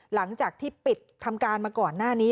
หลังจากที่ปิดทำการมาก่อนหน้านี้